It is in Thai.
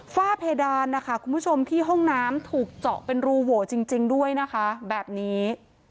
ฝ้าเพดานนะคะคุณผู้ชมที่ห้องน้ำถูกเจาะเป็นรูโหวจริงด้วยนะคะแบบนี้